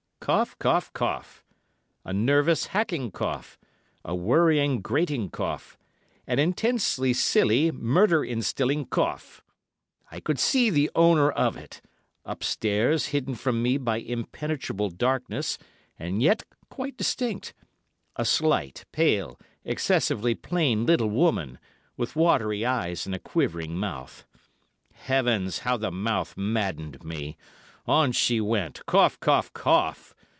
"Cough, cough, cough. A nervous, hacking cough, a worrying, grating cough, an intensely silly, murder instilling cough. I could see the owner of it—upstairs, hidden from me by impenetrable darkness, and yet quite distinct—a slight, pale, excessively plain little woman, with watery eyes and a quivering mouth. Heavens, how the mouth maddened me! On she went—cough, cough, cough!